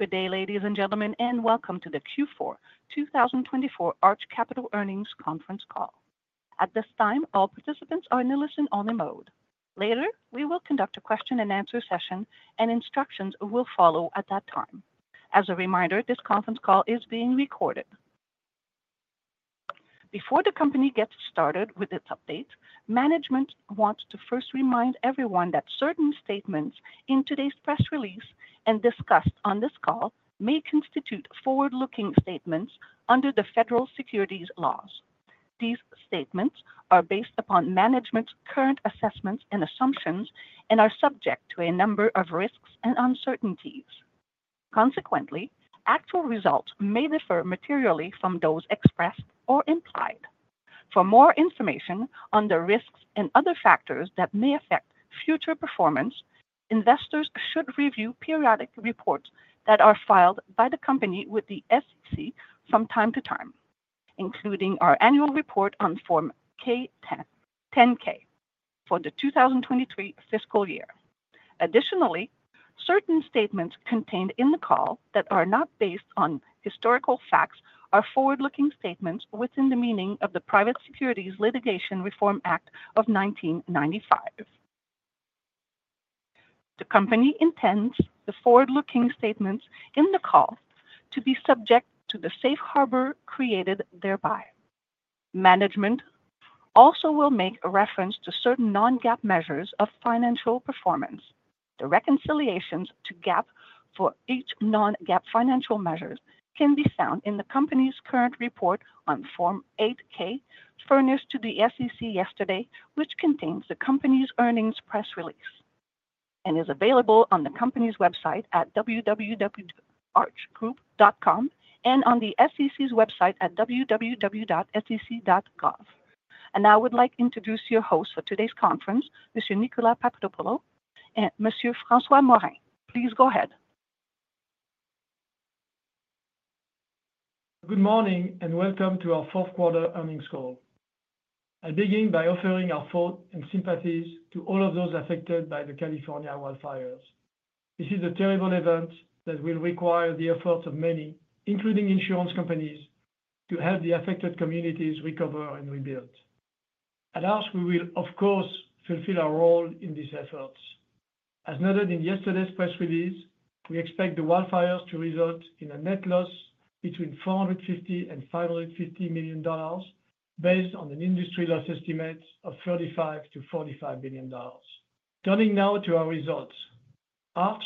G`ood day, ladies and gentlemen, and welcome to the Q4 2024 Arch Capital Earnings Conference Call. At this time, all participants are in the listen-only mode. Later, we will conduct a question-and-answer session, and instructions will follow at that time. As a reminder, this conference call is being recorded. Before the company gets started with its updates, management wants to first remind everyone that certain statements in today's press release and discussed on this call may constitute forward-looking statements under the federal securities laws. These statements are based upon management's current assessments and assumptions and are subject to a number of risks and uncertainties. Consequently, actual results may differ materially from those expressed or implied. For more information on the risks and other factors that may affect future performance, investors should review periodic reports that are filed by the company with the SEC from time to time, including our Annual Report on Form 10-K for the 2023 fiscal year. Additionally, certain statements contained in the call that are not based on historical facts are forward-looking statements within the meaning of the Private Securities Litigation Reform Act of 1995. The company intends the forward-looking statements in the call to be subject to the safe harbor created thereby. Management also will make reference to certain non-GAAP measures of financial performance. The reconciliations to GAAP for each non-GAAP financial measure can be found in the company's current report on Form 8-K furnished to the SEC yesterday, which contains the company's earnings press release and is available on the company's website at www.archgroup.com and on the SEC's website at www.sec.gov. I now would like to introduce your hosts for today's conference, Mr. Nicolas Papadopoulo and Monsieur François Morin. Please go ahead. Good morning and welcome to our fourth quarter earnings call. I begin by offering our thoughts and sympathies to all of those affected by the California wildfires. This is a terrible event that will require the efforts of many, including insurance companies, to help the affected communities recover and rebuild. At Arch, we will, of course, fulfill our role in these efforts. As noted in yesterday's press release, we expect the wildfires to result in a net loss between $450 and $550 million based on an industry loss estimate of $35-$45 billion. Turning now to our results, Arch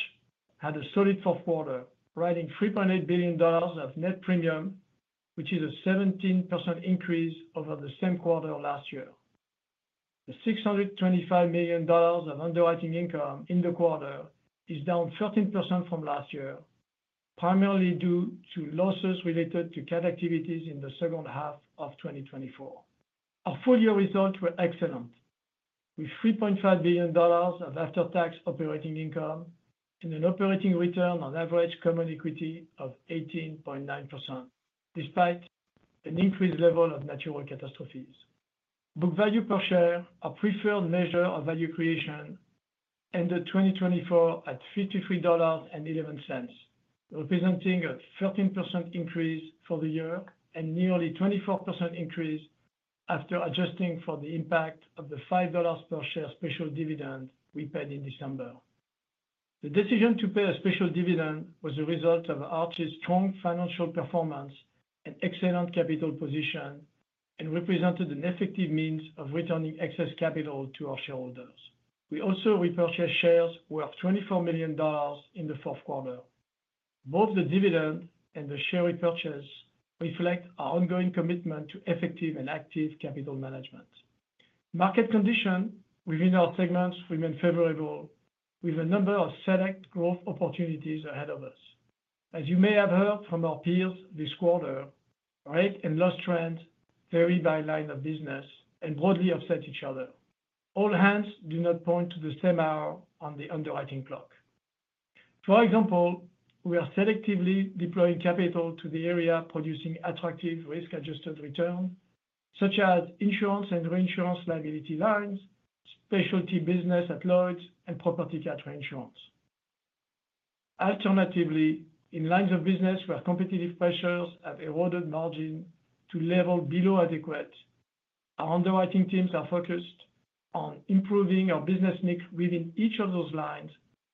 had a solid fourth quarter, providing $3.8 billion of net premium, which is a 17% increase over the same quarter last year. The $625 million of underwriting income in the quarter is down 13% from last year, primarily due to losses related to cat activities in the second half of 2024. Our full year results were excellent, with $3.5 billion of after-tax operating income and an operating return on average common equity of 18.9%, despite an increased level of natural catastrophes. Book value per share, our preferred measure of value creation, ended 2024 at $53.11, representing a 13% increase for the year and nearly a 24% increase after adjusting for the impact of the $5 per share special dividend we paid in December. The decision to pay a special dividend was a result of Arch's strong financial performance and excellent capital position, and represented an effective means of returning excess capital to our shareholders. We also repurchased shares worth $24 million in the fourth quarter. Both the dividend and the share repurchase reflect our ongoing commitment to effective and active capital management. Market conditions within our segments remain favorable, with a number of select growth opportunities ahead of us. As you may have heard from our peers this quarter, rate and loss trends vary by line of business and broadly offset each other. All hands do not point to the same hour on the underwriting clock. For example, we are selectively deploying capital to the area producing attractive risk-adjusted returns, such as insurance and reinsurance liability lines, specialty business at Lloyd's, and property cat reinsurance. Alternatively, in lines of business where competitive pressures have eroded margins to levels below adequate, our underwriting teams are focused on improving our business mix within each of those lines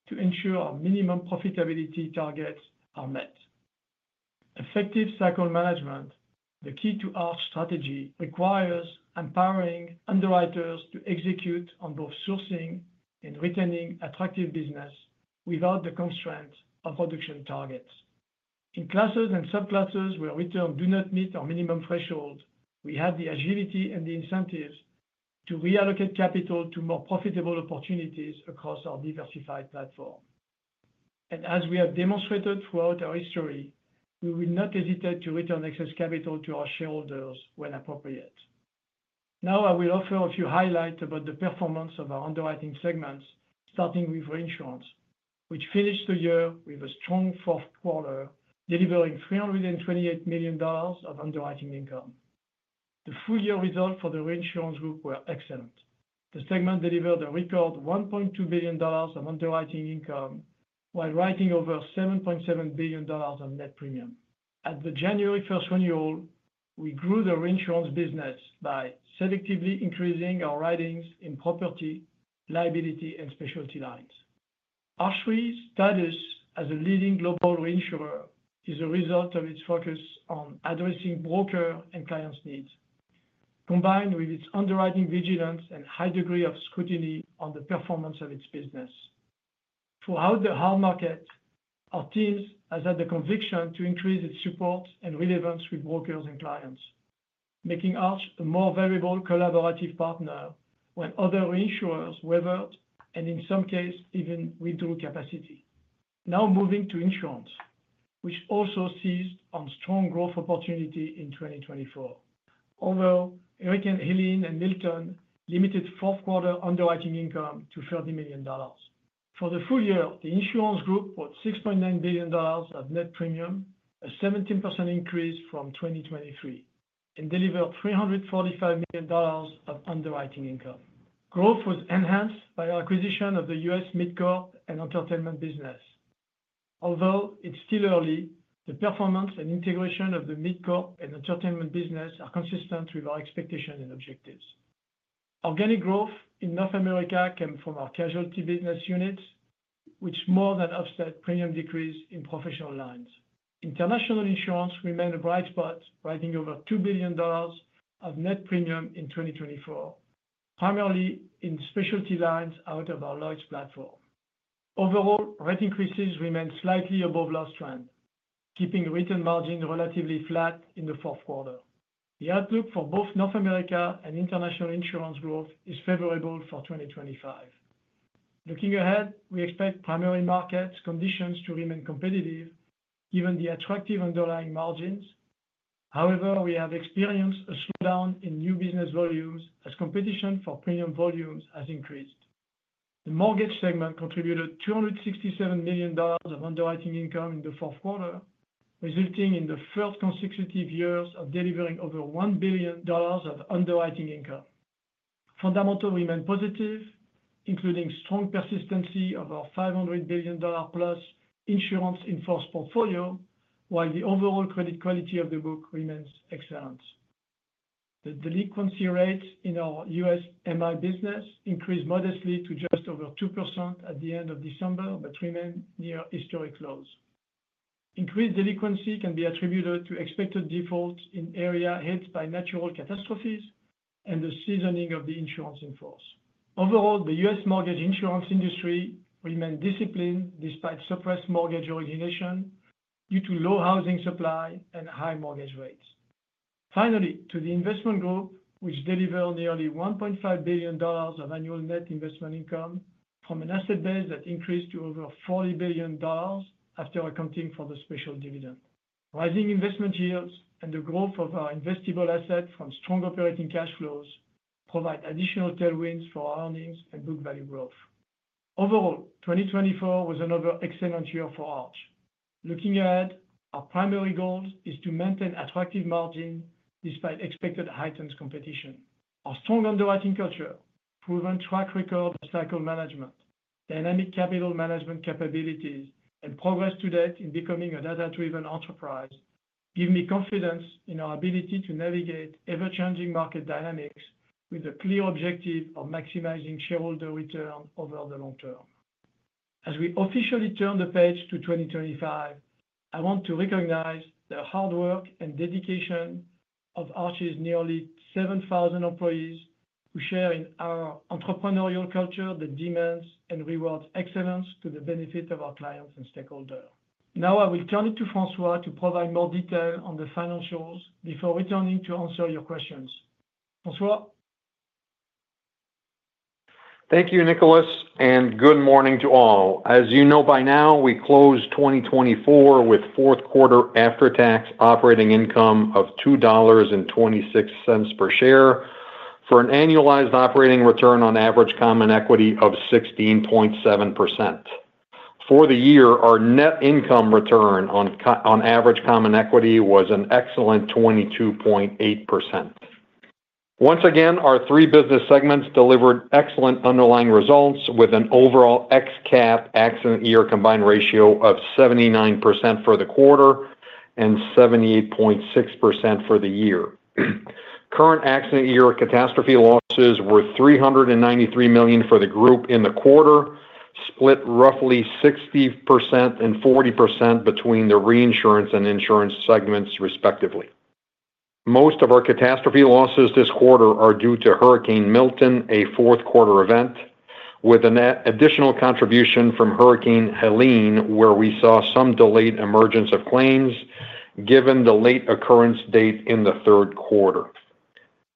to ensure our minimum profitability targets are met. Effective cycle management, the key to Arch's strategy, requires empowering underwriters to execute on both sourcing and retaining attractive business without the constraints of reduction targets. In classes and subclasses where returns do not meet our minimum threshold, we have the agility and the incentives to reallocate capital to more profitable opportunities across our diversified platform, and as we have demonstrated throughout our history, we will not hesitate to return excess capital to our shareholders when appropriate. Now, I will offer a few highlights about the performance of our underwriting segments, starting with reinsurance, which finished the year with a strong fourth quarter, delivering $328 million of underwriting income. The full year results for the reinsurance group were excellent. The segment delivered a record $1.2 billion of underwriting income while writing over $7.7 billion of net premium. At the January first annual, we grew the reinsurance business by selectively increasing our writings in property liability and specialty lines. Arch's status as a leading global reinsurer is a result of its focus on addressing broker and client's needs, combined with its underwriting vigilance and high degree of scrutiny on the performance of its business. Throughout the hard market, our teams have had the conviction to increase its support and relevance with brokers and clients, making Arch a more valuable collaborative partner when other reinsurers wavered and, in some cases, even withdrew capacity. Now moving to insurance, which also seized on strong growth opportunities in 2024, although Hurricane Helene and Milton limited fourth quarter underwriting income to $30 million. For the full year, the insurance group put $6.9 billion of net premium, a 17% increase from 2023, and delivered $345 million of underwriting income. Growth was enhanced by our acquisition of the U.S. MidCorp and Entertainment business. Although it's still early, the performance and integration of the MidCorp and Entertainment business are consistent with our expectations and objectives. Organic growth in North America came from our casualty business units, which more than offset premium decrease in professional lines. International insurance remained a bright spot, writing over $2 billion of net premium in 2024, primarily in specialty lines out of our Lloyd's platform. Overall, rate increases remained slightly above last trend, keeping return margins relatively flat in the fourth quarter. The outlook for both North America and international insurance growth is favorable for 2025. Looking ahead, we expect primary market conditions to remain competitive, given the attractive underlying margins. However, we have experienced a slowdown in new business volumes as competition for premium volumes has increased. The mortgage segment contributed $267 million of underwriting income in the fourth quarter, resulting in the third consecutive year of delivering over $1 billion of underwriting income. Fundamentals remain positive, including strong persistency of our $500 billion-plus insurance-in-force portfolio, while the overall credit quality of the book remains excellent. The delinquency rates in our US MI business increased modestly to just over 2% at the end of December, but remained near historic lows. Increased delinquency can be attributed to expected defaults in areas hit by natural catastrophes and the seasoning of the insurance in force. Overall, the US mortgage insurance industry remained disciplined despite suppressed mortgage origination due to low housing supply and high mortgage rates. Finally, to the investment group, which delivered nearly $1.5 billion of annual net investment income from an asset base that increased to over $40 billion after accounting for the special dividend. Rising investment yields and the growth of our investable asset from strong operating cash flows provide additional tailwinds for our earnings and book value growth. Overall, 2024 was another excellent year for Arch. Looking ahead, our primary goal is to maintain attractive margins despite expected heightened competition. Our strong underwriting culture, proven track record of cycle management, dynamic capital management capabilities, and progress to date in becoming a data-driven enterprise give me confidence in our ability to navigate ever-changing market dynamics with a clear objective of maximizing shareholder return over the long term. As we officially turn the page to 2025, I want to recognize the hard work and dedication of Arch's nearly 7,000 employees who share in our entrepreneurial culture that demands and rewards excellence to the benefit of our clients and stakeholders. Now, I will turn it to François to provide more detail on the financials before returning to answer your questions. François. Thank you, Nicolas, and good morning to all. As you know by now, we closed 2024 with fourth quarter after-tax operating income of $2.26 per share for an annualized operating return on average common equity of 16.7%. For the year, our net income return on average common equity was an excellent 22.8%. Once again, our three business segments delivered excellent underlying results with an overall ex-cat/accident year combined ratio of 79% for the quarter and 78.6% for the year. Current accident year catastrophe losses were $393 million for the group in the quarter, split roughly 60% and 40% between the reinsurance and insurance segments, respectively. Most of our catastrophe losses this quarter are due to Hurricane Milton, a fourth quarter event, with an additional contribution from Hurricane Helene, where we saw some delayed emergence of claims given the late occurrence date in the third quarter.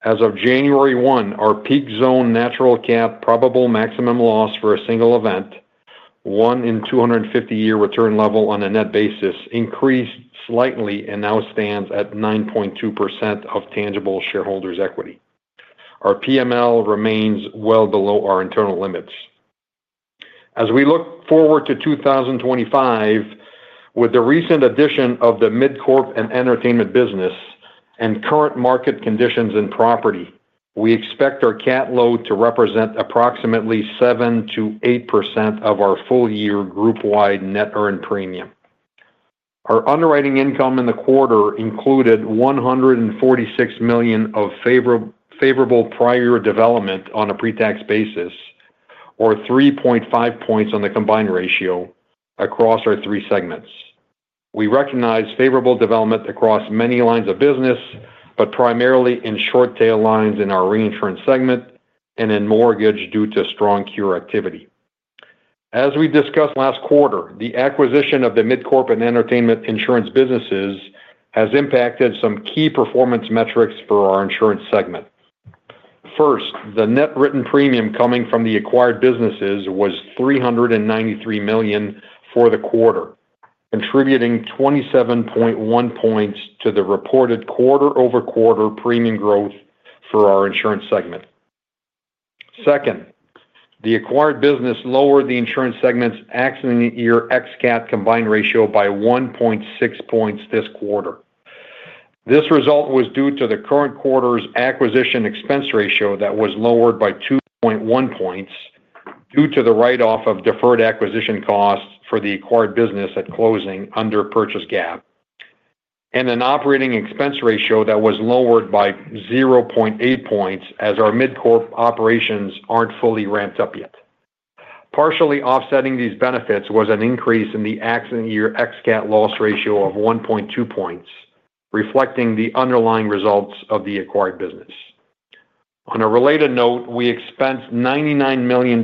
As of January 1, our peak zone natural cat probable maximum loss for a single event, one in 250-year return level on a net basis, increased slightly and now stands at 9.2% of tangible shareholders' equity. Our PML remains well below our internal limits. As we look forward to 2025, with the recent addition of the MidCorp and entertainment business and current market conditions in property, we expect our cat load to represent approximately 7%-8% of our full year group-wide net earned premium. Our underwriting income in the quarter included $146 million of favorable prior development on a pre-tax basis, or 3.5 points on the combined ratio across our three segments. We recognize favorable development across many lines of business, but primarily in short tail lines in our reinsurance segment and in mortgage due to strong cure activity. As we discussed last quarter, the acquisition of the MidCorp and Entertainment insurance businesses has impacted some key performance metrics for our insurance segment. First, the net written premium coming from the acquired businesses was $393 million for the quarter, contributing 27.1 points to the reported quarter-over-quarter premium growth for our insurance segment. Second, the acquired business lowered the insurance segment's accident year ex-cat combined ratio by 1.6 points this quarter. This result was due to the current quarter's acquisition expense ratio that was lowered by 2.1 points due to the write-off of deferred acquisition costs for the acquired business at closing under Purchase GAAP, and an operating expense ratio that was lowered by 0.8 points as our MidCorp operations aren't fully ramped up yet. Partially offsetting these benefits was an increase in the accident year ex-cat loss ratio of 1.2 points, reflecting the underlying results of the acquired business. On a related note, we expensed $99 million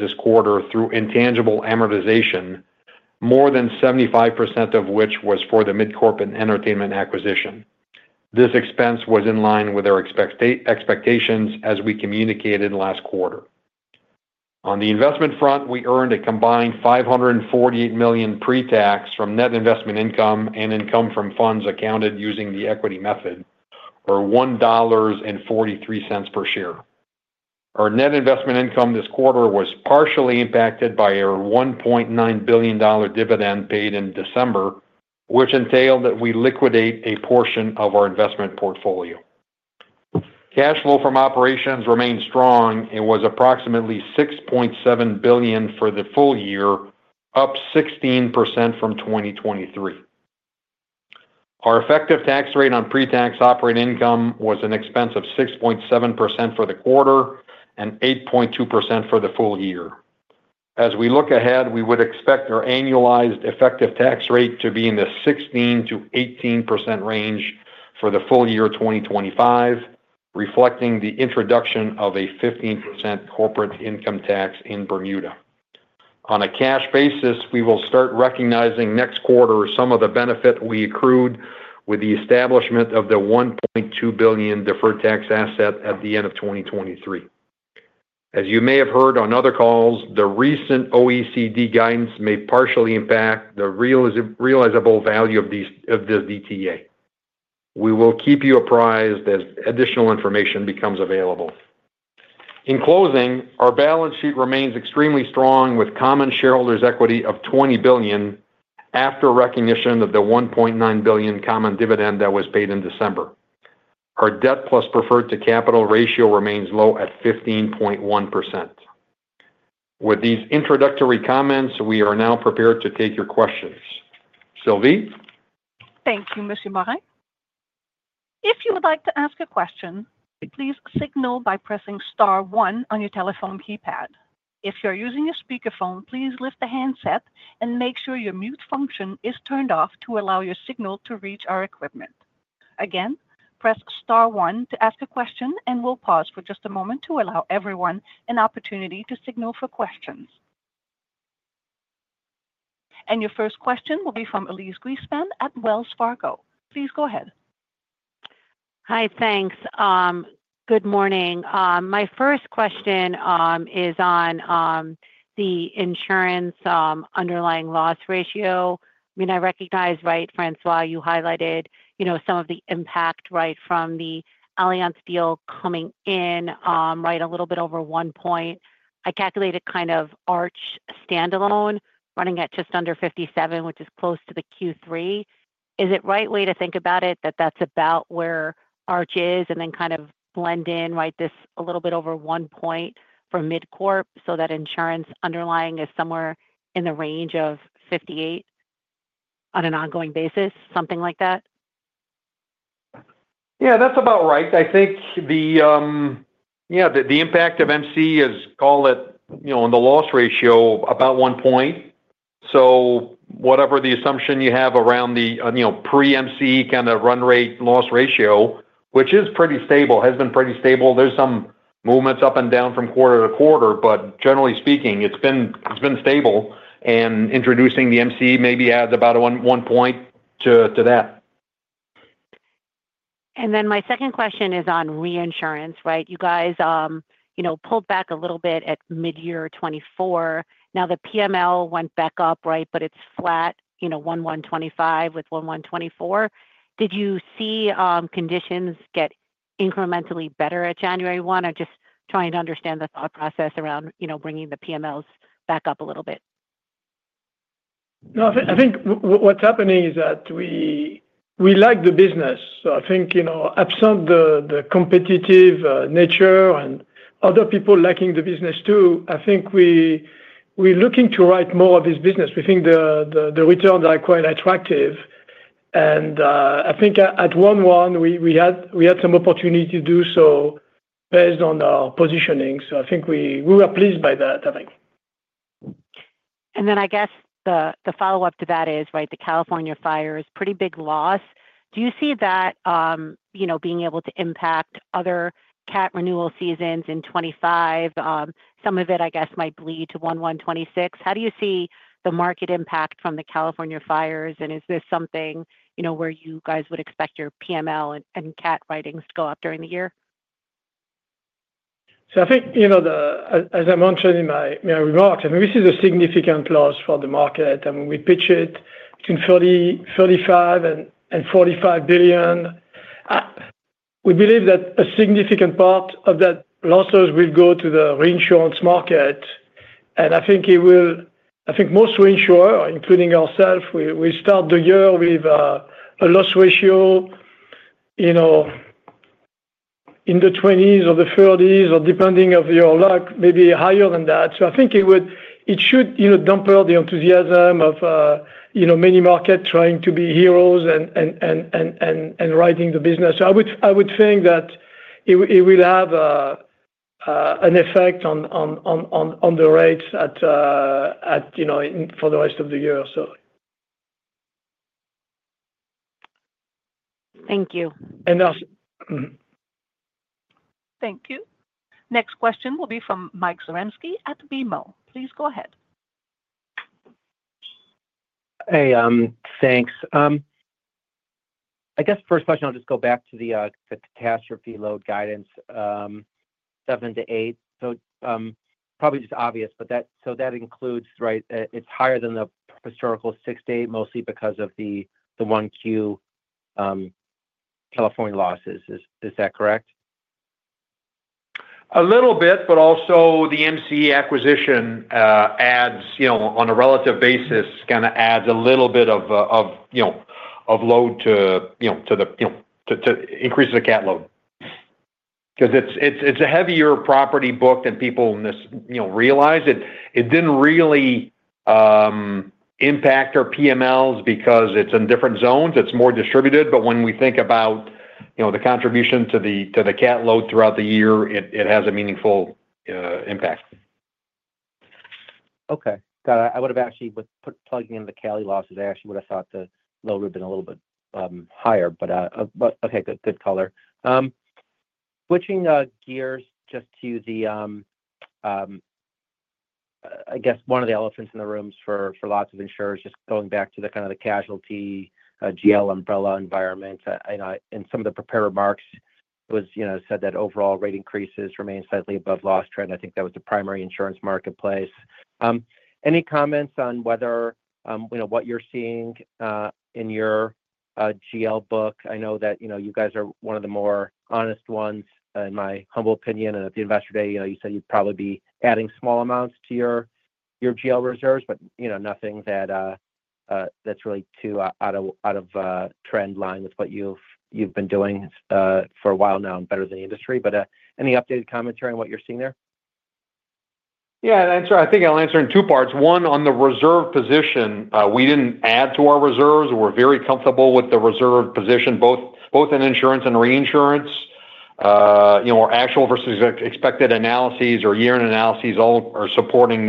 this quarter through intangible amortization, more than 75% of which was for the MidCorp and Entertainment acquisition. This expense was in line with our expectations as we communicated last quarter. On the investment front, we earned a combined $548 million pre-tax from net investment income and income from funds accounted using the equity method, or $1.43 per share. Our net investment income this quarter was partially impacted by our $1.9 billion dividend paid in December, which entailed that we liquidate a portion of our investment portfolio. Cash flow from operations remained strong and was approximately $6.7 billion for the full year, up 16% from 2023. Our effective tax rate on pre-tax operating income was an expense of 6.7% for the quarter and 8.2% for the full year. As we look ahead, we would expect our annualized effective tax rate to be in the 16%-18% range for the full year 2025, reflecting the introduction of a 15% corporate income tax in Bermuda. On a cash basis, we will start recognizing next quarter some of the benefit we accrued with the establishment of the $1.2 billion deferred tax asset at the end of 2023. As you may have heard on other calls, the recent OECD guidance may partially impact the realizable value of this DTA. We will keep you apprised as additional information becomes available. In closing, our balance sheet remains extremely strong with common shareholders' equity of $20 billion after recognition of the $1.9 billion common dividend that was paid in December. Our debt plus preferred to capital ratio remains low at 15.1%. With these introductory comments, we are now prepared to take your questions. Sylvie? Thank you, Monsieur Morin. If you would like to ask a question, please signal by pressing star one on your telephone keypad. If you're using a speakerphone, please lift the handset and make sure your mute function is turned off to allow your signal to reach our equipment. Again, press star one to ask a question, and we'll pause for just a moment to allow everyone an opportunity to signal for questions. And your first question will be from Elyse Greenspan at Wells Fargo. Please go ahead. Hi, thanks. Good morning. My first question is on the insurance underlying loss ratio. I mean, I recognize, right, François, you highlighted some of the impact from the Allianz deal coming in a little bit over 1%. I calculated kind of Arch standalone running at just under 57%, which is close to the Q3. Is it the right way to think about it that that's about where Arch is and then kind of blend in this a little bit over 1% for MidCorp so that insurance underlying is somewhere in the range of 58% on an ongoing basis, something like that? Yeah, that's about right. I think the impact of MCE is, call it, on the loss ratio, about one point. So whatever the assumption you have around the pre-MCE kind of run rate loss ratio, which is pretty stable, has been pretty stable. There's some movements up and down from quarter to quarter, but generally speaking, it's been stable, and introducing the MCE maybe adds about one point to that. Then my second question is on reinsurance. You guys pulled back a little bit at mid-year 2024. Now, the PML went back up, but it's flat, 11.25 with 11.24. Did you see conditions get incrementally better at January 1? I'm just trying to understand the thought process around bringing the PMLs back up a little bit. No, I think what's happening is that we like the business. So I think absent the competitive nature and other people liking the business too, I think we're looking to write more of this business. We think the returns are quite attractive. And I think at 11, we had some opportunity to do so based on our positioning. So I think we were pleased by that, I think. Then I guess the follow-up to that is the California fires, pretty big loss. Do you see that being able to impact other cat renewal seasons in 2025? Some of it, I guess, might bleed to 2026. How do you see the market impact from the California fires? And is this something where you guys would expect your PML and cat writings to go up during the year? I think, as I mentioned in my remarks, I mean, this is a significant loss for the market. I mean, we pitch it between $35 billion and $45 billion. We believe that a significant part of that losses will go to the reinsurance market. I think most reinsurers, including ourselves, will start the year with a loss ratio in the 20s or the 30s, or depending on your luck, maybe higher than that. I think it should dampen the enthusiasm of many markets trying to be heroes and writing the business. I would think that it will have an effect on the rates for the rest of the year, so. Thank you. And that's. Thank you. Next question will be from Mike Zaremski at BMO Capital Markets. Please go ahead. Hey, thanks. I guess first question, I'll just go back to the catastrophe load guidance, 7%-8%. So probably just obvious. So that includes, right, it's higher than the historical 6%-8%, mostly because of the 1Q California losses. Is that correct? A little bit, but also the MCE acquisition adds, on a relative basis, kind of adds a little bit of load to increase the cat load. Because it's a heavier property book than people realize. It didn't really impact our PMLs because it's in different zones. It's more distributed. But when we think about the contribution to the cat load throughout the year, it has a meaningful impact. Okay. I would have actually plugged in the Cali losses. I actually would have thought the load would have been a little bit higher. But okay, good color. Switching gears just to the, I guess, one of the elephants in the rooms for lots of insurers, just going back to the kind of the casualty GL umbrella environment. In some of the prepared remarks, it was said that overall rate increases remain slightly above loss trend. I think that was the primary insurance marketplace. Any comments on whether what you're seeing in your GL book? I know that you guys are one of the more honest ones, in my humble opinion. At the investor day, you said you'd probably be adding small amounts to your GL reserves, but nothing that's really too out of trend line with what you've been doing for a while now and better than the industry. Any updated commentary on what you're seeing there? Yeah, and I think I'll answer in two parts. One, on the reserve position, we didn't add to our reserves. We're very comfortable with the reserve position, both in insurance and reinsurance. Our actual versus expected analyses or year-end analyses are supporting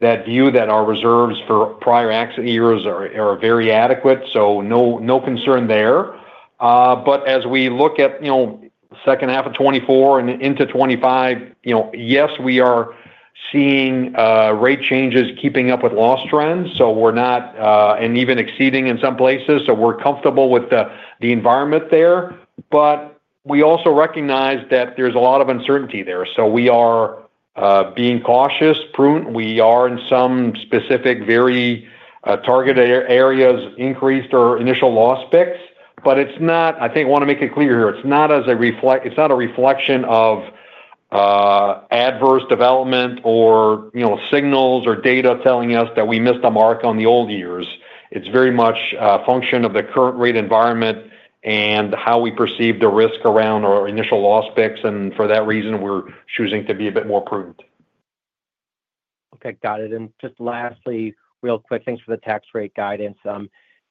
that view that our reserves for prior accident years are very adequate. So no concern there. But as we look at the second half of 2024 and into 2025, yes, we are seeing rate changes keeping up with loss trends. So we're not, and even exceeding in some places. So we're comfortable with the environment there. But we also recognize that there's a lot of uncertainty there. So we are being cautious, prudent. We are in some specific very targeted areas, increased our initial loss picks. But I think I want to make it clear here. It's not a reflection of adverse development or signals or data telling us that we missed the mark on the old years. It's very much a function of the current rate environment and how we perceive the risk around our initial loss picks, and for that reason, we're choosing to be a bit more prudent. Okay, got it. And just lastly, real quick, thanks for the tax rate guidance.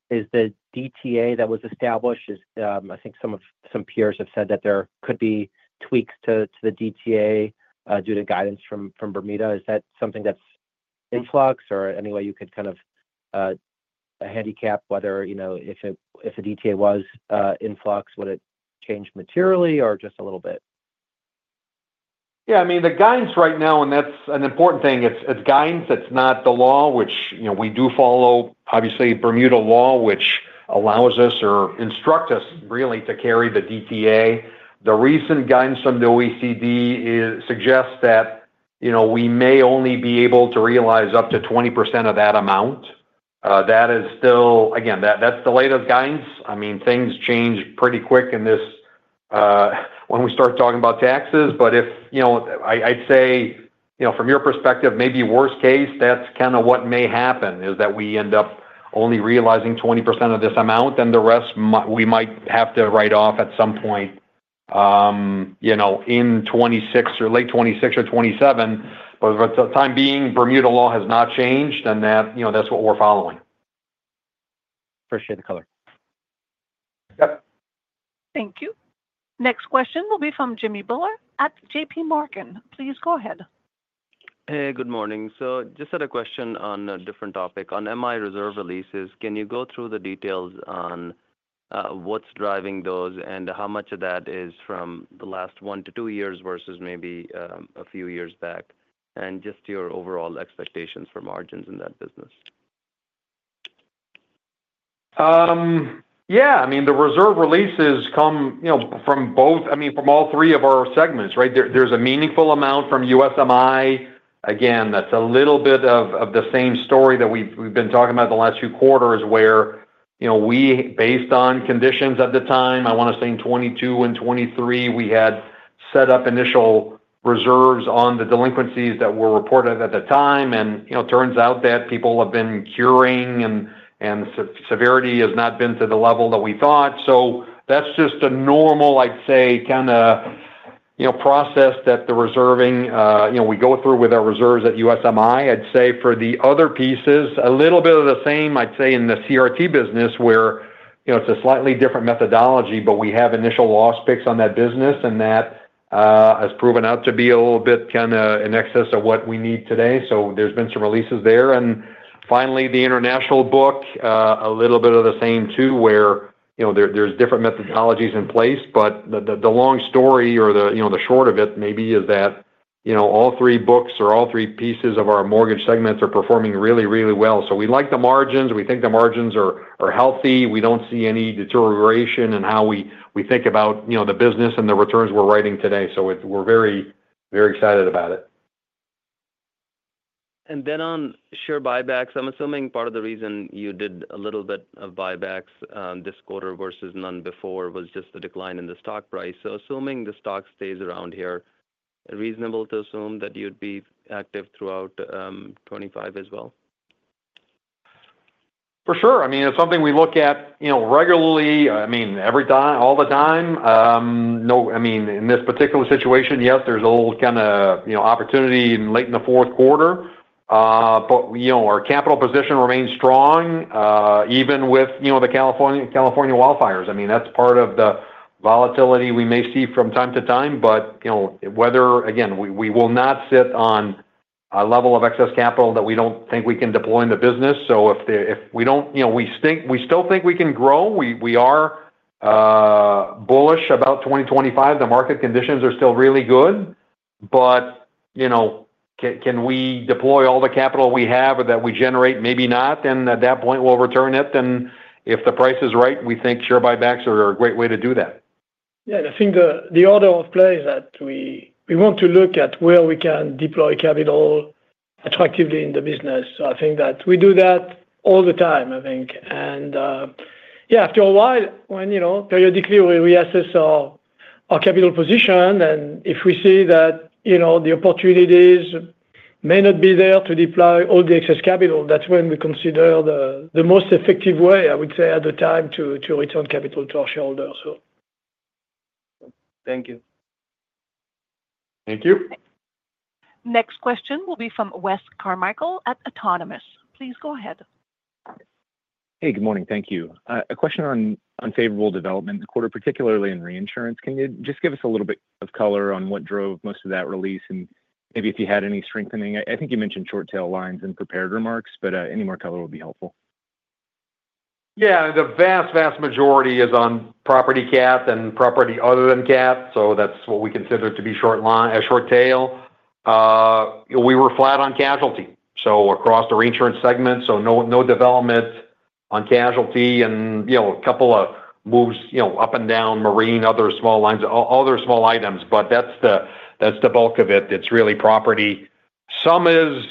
Is the DTA that was established, I think some peers have said that there could be tweaks to the DTA due to guidance from Bermuda? Is that something that's in flux or any way you could kind of handicap whether if the DTA was in flux, would it change materially or just a little bit? Yeah, I mean, the guidance right now, and that's an important thing. It's guidance. It's not the law, which we do follow, obviously, Bermuda law, which allows us or instructs us really to carry the DTA. The recent guidance from the OECD suggests that we may only be able to realize up to 20% of that amount. That is still, again, that's the latest guidance. I mean, things change pretty quick when we start talking about taxes. But I'd say from your perspective, maybe worst case, that's kind of what may happen is that we end up only realizing 20% of this amount, and the rest we might have to write off at some point in 2026 or late 2026 or 2027. But for the time being, Bermuda law has not changed, and that's what we're following. Appreciate the color. Yep. Thank you. Next question will be from Jimmy Bhullar at JPMorgan. Please go ahead. Hey, good morning. So just had a question on a different topic. On MI reserve releases, can you go through the details on what's driving those and how much of that is from the last one to two years versus maybe a few years back? And just your overall expectations for margins in that business. Yeah. I mean, the reserve releases come from both, I mean, from all three of our segments, right? There's a meaningful amount from USMI. Again, that's a little bit of the same story that we've been talking about the last few quarters where we, based on conditions at the time, I want to say in 2022 and 2023, we had set up initial reserves on the delinquencies that were reported at the time. And it turns out that people have been curing, and severity has not been to the level that we thought. So that's just a normal, I'd say, kind of process that the reserving we go through with our reserves at USMI. I'd say for the other pieces, a little bit of the same, I'd say, in the CRT business where it's a slightly different methodology, but we have initial loss picks on that business, and that has proven out to be a little bit kind of in excess of what we need today. So there's been some releases there. And finally, the international book, a little bit of the same too, where there's different methodologies in place. But the long story or the short of it maybe is that all three books or all three pieces of our mortgage segments are performing really, really well. So we like the margins. We think the margins are healthy. We don't see any deterioration in how we think about the business and the returns we're writing today. So we're very, very excited about it. And then on share buybacks, I'm assuming part of the reason you did a little bit of buybacks this quarter versus none before was just the decline in the stock price. So assuming the stock stays around here, reasonable to assume that you'd be active throughout 2025 as well? For sure. I mean, it's something we look at regularly, I mean, all the time. I mean, in this particular situation, yes, there's a little kind of opportunity late in the fourth quarter. but our capital position remains strong even with the California wildfires. I mean, that's part of the volatility we may see from time to time. but whether, again, we will not sit on a level of excess capital that we don't think we can deploy in the business. So if we don't, we still think we can grow. We are bullish about 2025. The market conditions are still really good. but can we deploy all the capital we have or that we generate? Maybe not. and at that point, we'll return it. and if the price is right, we think share buybacks are a great way to do that. Yeah. I think the order of play is that we want to look at where we can deploy capital attractively in the business. So, I think that we do that all the time, I think. And yeah, after a while, when periodically we assess our capital position, and if we see that the opportunities may not be there to deploy all the excess capital, that's when we consider the most effective way, I would say, at the time to return capital to our shareholders, so. Thank you. Thank you. Next question will be from Wes Carmichael at Autonomous. Please go ahead. Hey, good morning. Thank you. A question on favorable development in the quarter, particularly in reinsurance. Can you just give us a little bit of color on what drove most of that release and maybe if you had any strengthening? I think you mentioned short tail lines in prepared remarks, but any more color would be helpful. Yeah. The vast, vast majority is on property cat and property other than cat. So that's what we consider to be short tail. We were flat on casualty. So across the reinsurance segment, so no development on casualty and a couple of moves up and down, marine, other small lines, other small items. But that's the bulk of it. It's really property. Some is,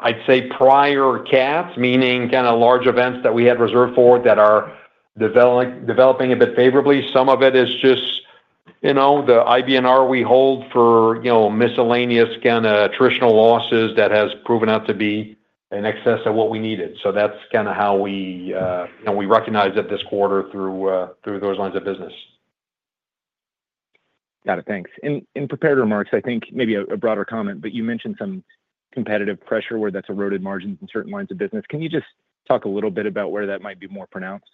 I'd say, prior cats, meaning kind of large events that we had reserved for that are developing a bit favorably. Some of it is just the IBNR we hold for miscellaneous kind of attritional losses that has proven out to be in excess of what we needed. So that's kind of how we recognize it this quarter through those lines of business. Got it. Thanks. In prepared remarks, I think maybe a broader comment, but you mentioned some competitive pressure where that's eroded margins in certain lines of business. Can you just talk a little bit about where that might be more pronounced?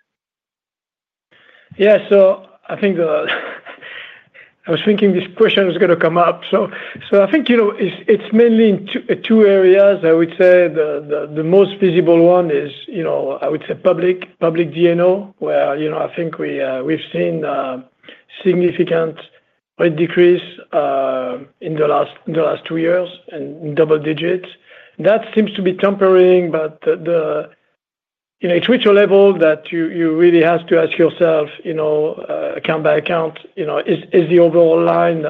Yeah. So I think I was thinking this question was going to come up. So I think it's mainly in two areas, I would say. The most visible one is, I would say, public D&O, where I think we've seen significant rate decrease in the last two years and double digits. That seems to be tempering, but it's reached a level that you really have to ask yourself, account by account, is the overall line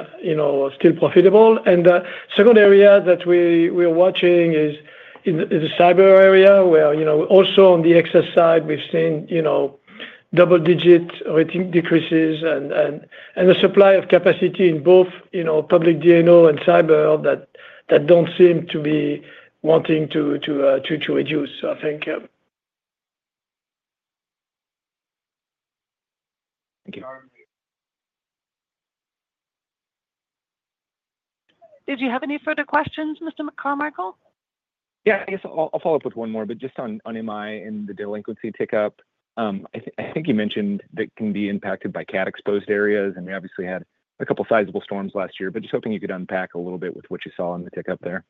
still profitable? And the second area that we're watching is the cyber area where also on the excess side, we've seen double-digit rating decreases and the supply of capacity in both public D&O and cyber that don't seem to be wanting to reduce, I think. Thank you. Did you have any further questions, Mr. Carmichael? Yeah. I guess I'll follow up with one more, but just on MI and the delinquency tick up. I think you mentioned that it can be impacted by cat-exposed areas, and we obviously had a couple of sizable storms last year, but just hoping you could unpack a little bit with what you saw in the tick up there.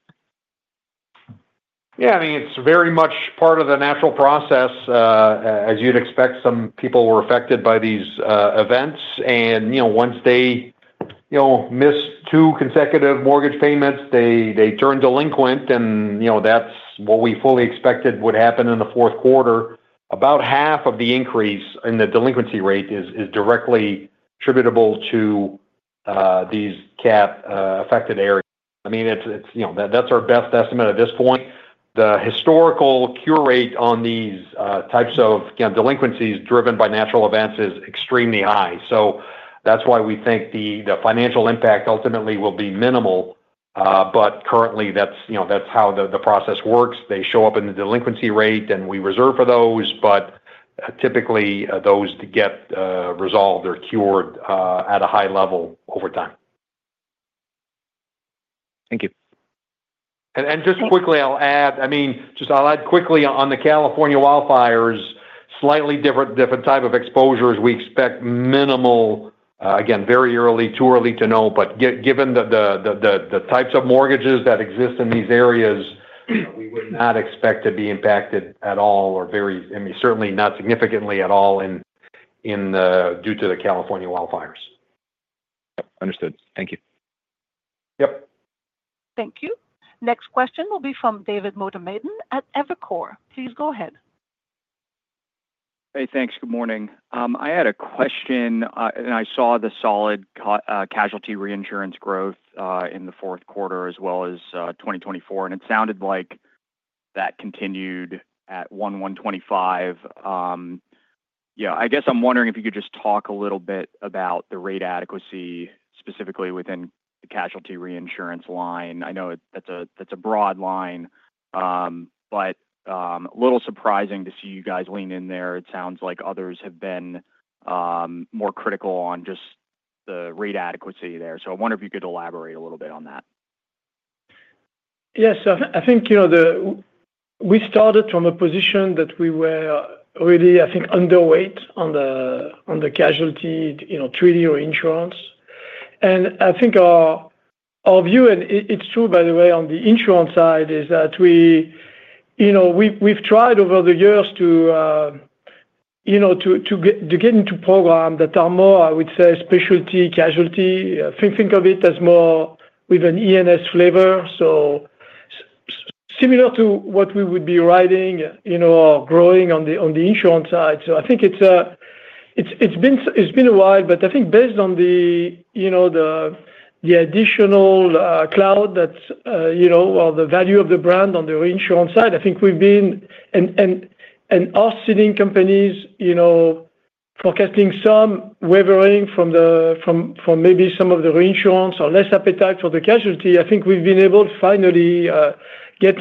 Yeah. I mean, it's very much part of the natural process. As you'd expect, some people were affected by these events. And once they missed two consecutive mortgage payments, they turned delinquent, and that's what we fully expected would happen in the fourth quarter. About half of the increase in the delinquency rate is directly attributable to these cat-affected areas. I mean, that's our best estimate at this point. The historical cure rate on these types of delinquencies driven by natural events is extremely high. So that's why we think the financial impact ultimately will be minimal. But currently, that's how the process works. They show up in the delinquency rate, and we reserve for those. But typically, those get resolved or cured at a high level over time. Thank you. Just quickly, I'll add. I mean, just I'll add quickly on the California wildfires, slightly different type of exposures. We expect minimal, again, very early, too early to know. But given the types of mortgages that exist in these areas, we would not expect to be impacted at all or, I mean, certainly not significantly at all due to the California wildfires. Yep. Understood. Thank you. Yep. Thank you. Next question will be from David Motemaden at Evercore. Please go ahead. Hey, thanks. Good morning. I had a question, and I saw the solid casualty reinsurance growth in the fourth quarter as well as 2024, and it sounded like that continued at 11.25. Yeah. I guess I'm wondering if you could just talk a little bit about the rate adequacy specifically within the casualty reinsurance line. I know that's a broad line, but a little surprising to see you guys lean in there. It sounds like others have been more critical on just the rate adequacy there. So I wonder if you could elaborate a little bit on that. Yes. I think we started from a position that we were really, I think, underweight on the casualty treaty or insurance. And I think our view, and it's true, by the way, on the insurance side is that we've tried over the years to get into programs that are more, I would say, specialty casualty. Think of it as more with an E&S flavor. So similar to what we would be writing or growing on the insurance side. So I think it's been a while, but I think based on the additional clout that's, or the value of the brand on the reinsurance side, I think we've been, and our ceding companies forecasting some wavering from maybe some of the reinsurers or less appetite for the casualty, I think we've been able to finally get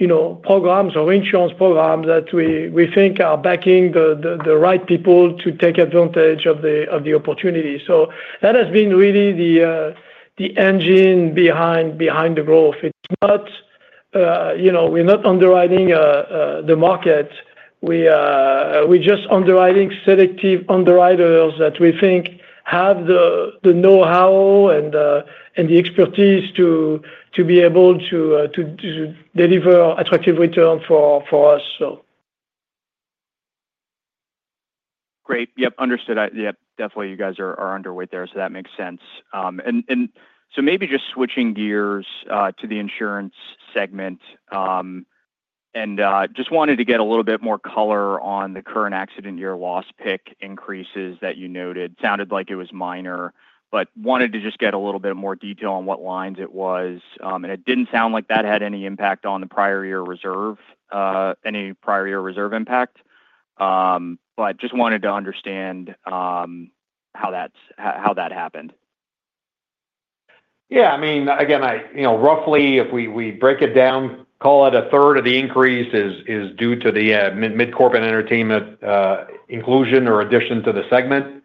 onto programs or reinsurance programs that we think are backing the right people to take advantage of the opportunity. So that has been really the engine behind the growth. It's not, we're not underwriting the market. We're just underwriting selective underwriters that we think have the know-how and the expertise to be able to deliver attractive returns for us, so. Great. Yep. Understood. Yep. Definitely, you guys are underweight there, so that makes sense. And so maybe just switching gears to the insurance segment and just wanted to get a little bit more color on the current accident year loss pick increases that you noted. Sounded like it was minor, but wanted to just get a little bit more detail on what lines it was. And it didn't sound like that had any impact on the prior year reserve, any prior year reserve impact. But just wanted to understand how that happened. Yeah. I mean, again, roughly, if we break it down, call it a third of the increase is due to the MidCorp and Entertainment inclusion or addition to the segment.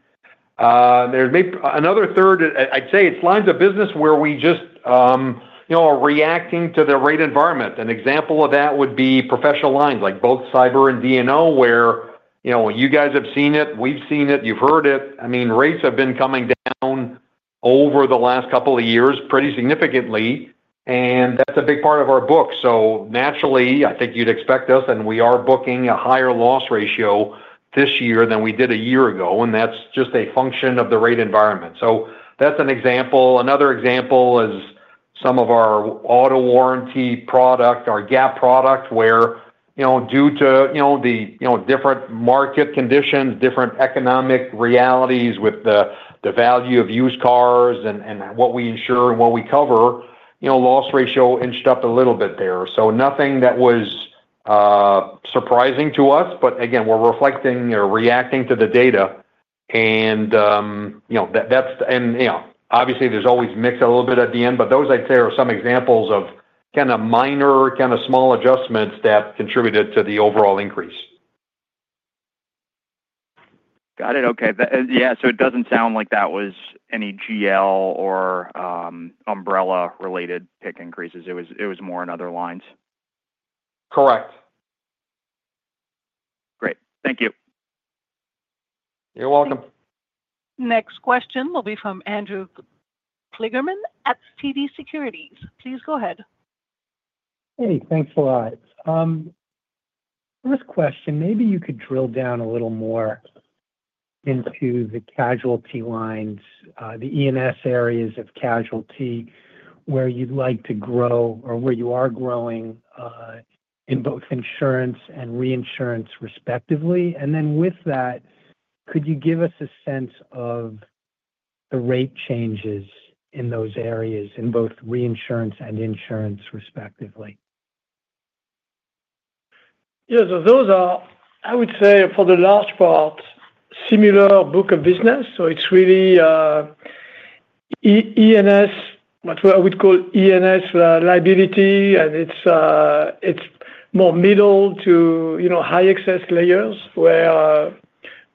Another third, I'd say it's lines of business where we just are reacting to the rate environment. An example of that would be Professional Lines like both cyber and D&O where you guys have seen it, we've seen it, you've heard it. I mean, rates have been coming down over the last couple of years pretty significantly. And that's a big part of our book. So naturally, I think you'd expect us, and we are booking a higher loss ratio this year than we did a year ago. And that's just a function of the rate environment. So that's an example. Another example is some of our auto warranty product, our GAP product, where due to the different market conditions, different economic realities with the value of used cars and what we insure and what we cover, loss ratio inched up a little bit there. So nothing that was surprising to us, but again, we're reflecting or reacting to the data. And that's, and obviously, there's always mixed a little bit at the end. But those, I'd say, are some examples of kind of minor, kind of small adjustments that contributed to the overall increase. Got it. Okay. Yeah. So it doesn't sound like that was any GL or umbrella-related price increases. It was more in other lines. Correct. Great. Thank you. You're welcome. Next question will be from Andrew Kligerman at TD Securities. Please go ahead. Hey, thanks a lot. First question, maybe you could drill down a little more into the casualty lines, the E&S areas of casualty where you'd like to grow or where you are growing in both insurance and reinsurance respectively, and then with that, could you give us a sense of the rate changes in those areas in both reinsurance and insurance respectively? Yeah. So those are, I would say, for the large part, similar book of business. So it's really E&S, what I would call E&S liability, and it's more middle to high excess layers where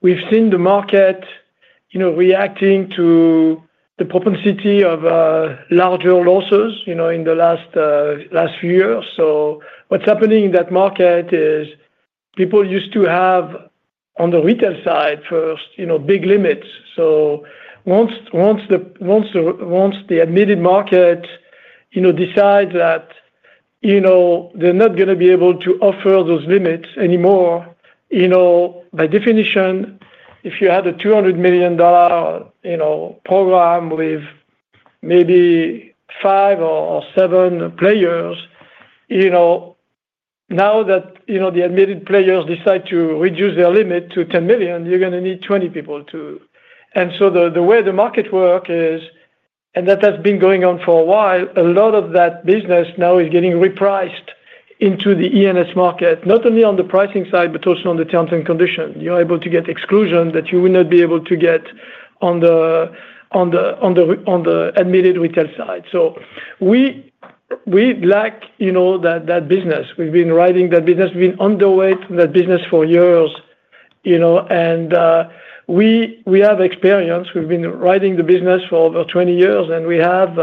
we've seen the market reacting to the propensity of larger losses in the last few years. So what's happening in that market is people used to have on the retail side first big limits. So once the admitted market decides that they're not going to be able to offer those limits anymore, by definition, if you had a $200 million program with maybe five or seven players, now that the admitted players decide to reduce their limit to $10 million, you're going to need 20 people to. The way the market works is, and that has been going on for a while, a lot of that business now is getting repriced into the E&S market, not only on the pricing side, but also on the terms and conditions. You're able to get exclusions that you would not be able to get on the admitted retail side. We like that business. We've been writing that business. We've been underweight in that business for years. We have experience. We've been writing the business for over 20 years, and we have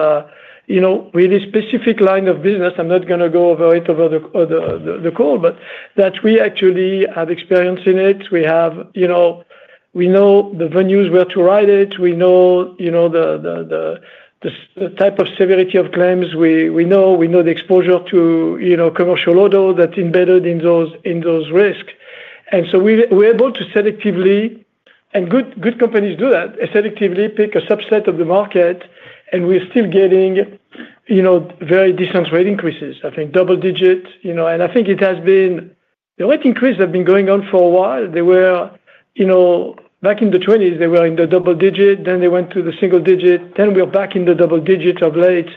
really specific line of business. I'm not going to go over it on the call, but that we actually have experience in it. We know the venues where to write it. We know the type of severity of claims. We know the exposure to commercial auto that's embedded in those risks. And so we're able to selectively, and good companies do that, selectively pick a subset of the market, and we're still getting very decent rate increases, I think, double digits, and I think the rate increase has been going on for a while. Back in the '20s, they were in the double digit, then they went to the single digit, then we're back in the double digit of late,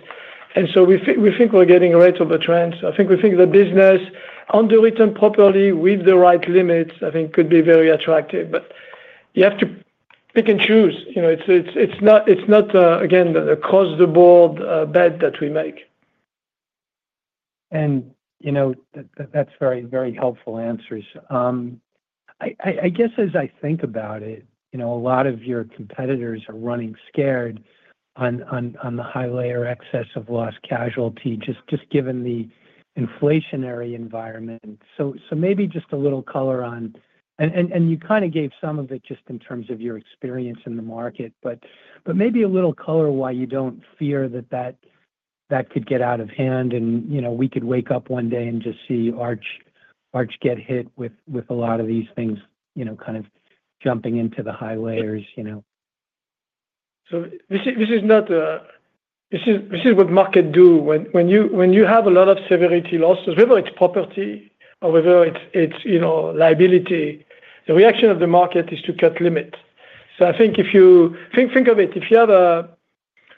and so we think we're getting a rate of a trend, so I think we think the business, underwritten properly with the right limits, I think, could be very attractive, but you have to pick and choose. It's not, again, an across-the-board bet that we make. And that's very, very helpful answers. I guess as I think about it, a lot of your competitors are running scared on the high layer excess of loss casualty just given the inflationary environment. So maybe just a little color on, and you kind of gave some of it just in terms of your experience in the market, but maybe a little color why you don't fear that that could get out of hand and we could wake up one day and just see Arch get hit with a lot of these things kind of jumping into the high layers. So this is not. This is what markets do. When you have a lot of severity losses, whether it's property or whether it's liability, the reaction of the market is to cut limits. So I think if you think of it, if you have a,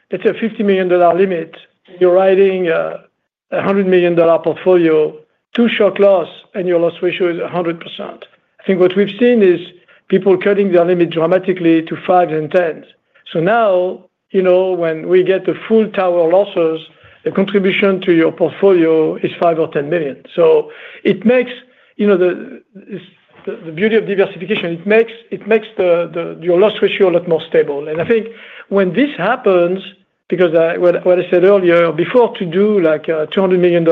let's say, $50 million limit, you're writing a $100 million portfolio, too short loss, and your loss ratio is 100%. I think what we've seen is people cutting their limit dramatically to 5s and 10s. So now when we get the full tower losses, the contribution to your portfolio is $5 or $10 million. So it makes the beauty of diversification. It makes your loss ratio a lot more stable. And I think when this happens, because what I said earlier, before to do like a $200 million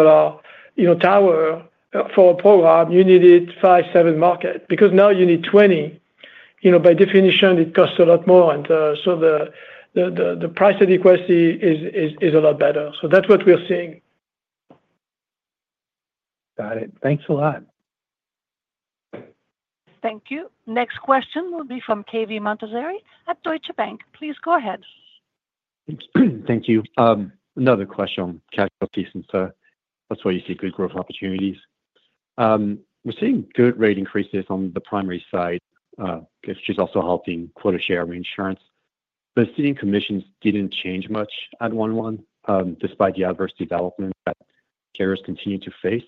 tower for a program, you needed 5 to 7 markets. Because now you need 20, by definition, it costs a lot more. And so the price adequacy is a lot better. So that's what we're seeing. Got it. Thanks a lot. Thank you. Next question will be from Cave Montazeri at Deutsche Bank. Please go ahead. Thank you. Another question on casualty since. That's where you see good growth opportunities. We're seeing good rate increases on the primary side, which is also helping quota share reinsurance. But ceding commissions didn't change much at 11% despite the adverse development that carriers con tinue to face.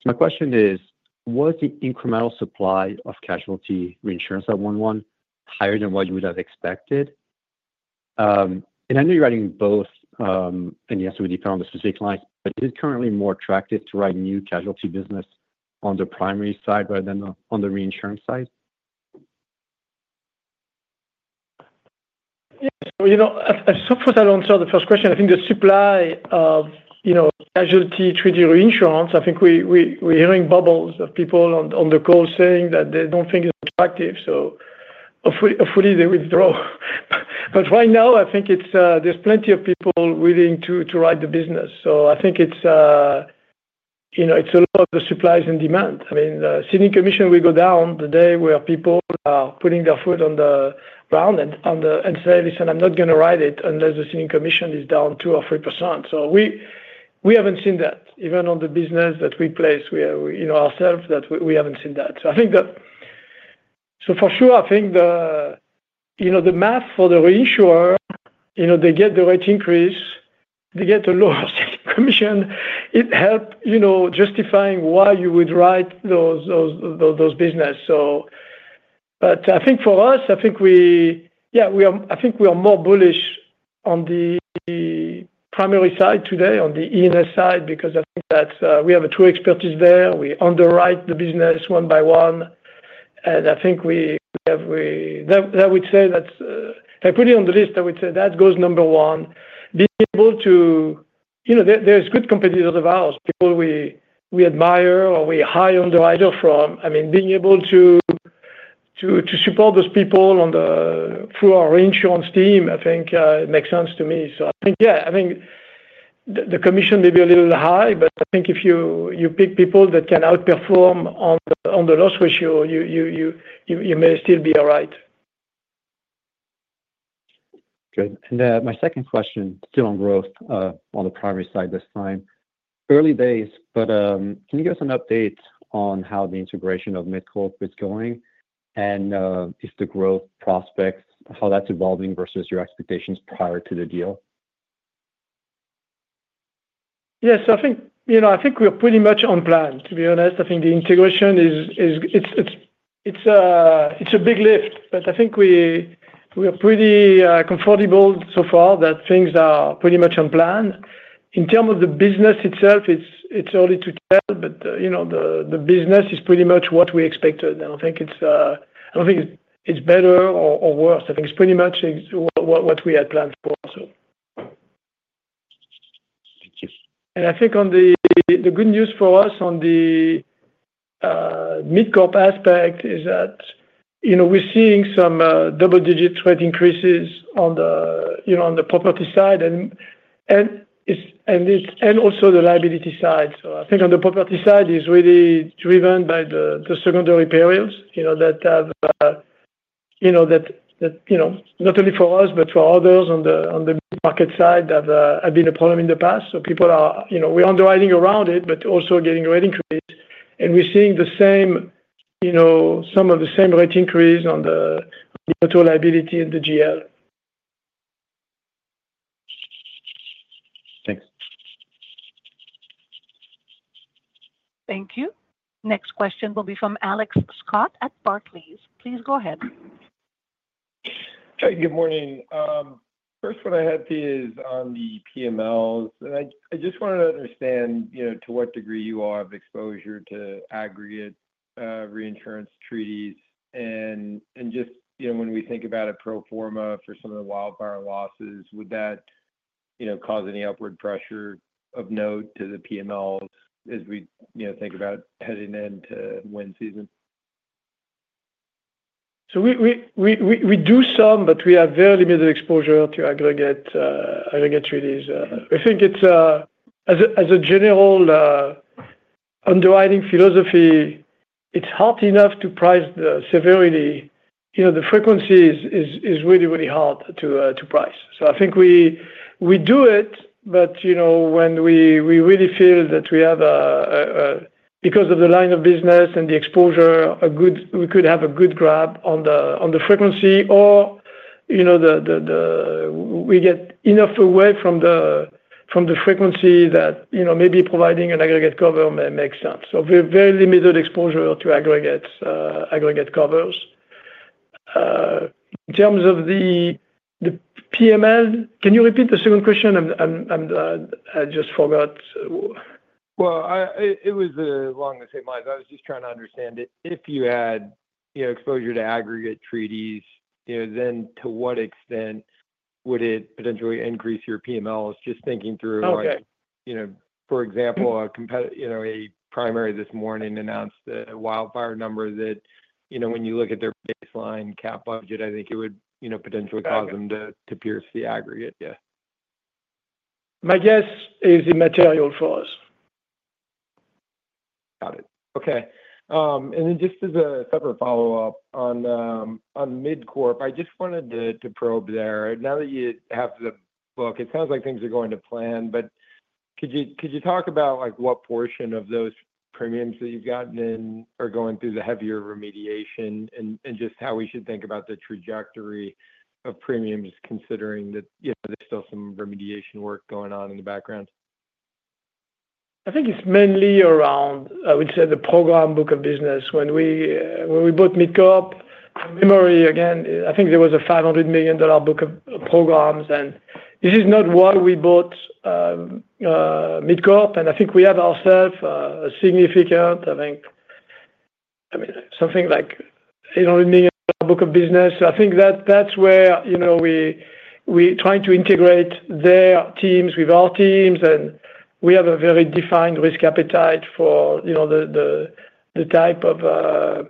So my question is, was the incremental supply of casualty reinsurance at 11% higher than what you would have expected? And I know you're writing both, and yes, it would depend on the specific clients, but is it currently more attractive to write new casualty business on the primary side rather than on the reinsurance side? Yeah. So first, I'll answer the first question. I think the supply of casualty treaty reinsurance. I think we're hearing a bunch of people on the call saying that they don't think it's attractive. So hopefully, they withdraw. But right now, I think there's plenty of people willing to write the business. So I think it's a lot of the supply and demand. I mean, ceding commission will go down the day where people are putting their foot down and say, "Listen, I'm not going to write it unless the ceding commission is down 2% or 3%." So we haven't seen that. Even on the business that we place ourselves, we haven't seen that. So I think that so for sure, I think the math for the reinsurer, they get the rate increase, they get a lower ceding commission. It helps justifying why you would write those business. But I think for us, I think we, yeah, I think we are more bullish on the primary side today, on the E&S side, because I think that we have a true expertise there. We underwrite the business one by one. And I think we have, I would say that's, putting on the list, I would say that goes number one. Being able to, there's good competitors of ours, people we admire or we hire underwriters from. I mean, being able to support those people through our reinsurance team, I think it makes sense to me. So I think, yeah, I think the commission may be a little high, but I think if you pick people that can outperform on the loss ratio, you may still be all right. Good. And my second question, still on growth on the primary side this time. Early days, but can you give us an update on how the integration of MidCorp is going and if the growth prospects, how that's evolving versus your expectations prior to the deal? Yeah, so I think we're pretty much on plan, to be honest. I think the integration is. It's a big lift, but I think we're pretty comfortable so far that things are pretty much on plan. In terms of the business itself, it's early to tell, but the business is pretty much what we expected, and I think it's better or worse. I think it's pretty much what we had planned for, so. Thank you. And I think the good news for us on the MidCorp aspect is that we're seeing some double-digit rate increases on the property side and also the liability side. So I think on the property side, it's really driven by the secondary periods that have not only for us, but for others on the market side have been a problem in the past. So people are. We're underwriting around it, but also getting rate increase. And we're seeing some of the same rate increase on the total liability and the GL. Thanks. Thank you. Next question will be from Alex Scott at Barclays. Please go ahead. Hi, good morning. First, what I have is on the PMLs. I just wanted to understand to what degree your exposure to aggregate reinsurance treaties. Just when we think about a pro forma for some of the wildfire losses, would that cause any upward pressure of note to the PMLs as we think about heading into wind season? So, we do some, but we have very limited exposure to aggregate treaties. I think as a general underwriting philosophy, it's hard enough to price the severity. The frequency is really, really hard to price. So I think we do it, but when we really feel that we have, because of the line of business and the exposure, we could have a good grasp on the frequency or we get enough away from the frequency that maybe providing an aggregate cover may make sense. So very limited exposure to aggregate covers. In terms of the PML, can you repeat the second question? I just forgot. It was long as it was. I was just trying to understand if you had exposure to aggregate treaties, then to what extent would it potentially increase your PMLs? Just thinking through, for example, a primary this morning announced the wildfire number that when you look at their baseline cat budget, I think it would potentially cause them to pierce the aggregate. Yeah. My guess is immaterial for us. Got it. Okay. And then just as a separate follow-up on MidCorp, I just wanted to probe there. Now that you have the book, it sounds like things are going to plan, but could you talk about what portion of those premiums that you've gotten in are going through the heavier remediation and just how we should think about the trajectory of premiums considering that there's still some remediation work going on in the background? I think it's mainly around, I would say, the program book of business. When we bought MidCorp, I remember, again, I think there was a $500 million book of programs. And this is not why we bought MidCorp. And I think we have ourselves a significant, I think, something like $800 million book of business. So I think that's where we're trying to integrate their teams with our teams. And we have a very defined risk appetite for the type of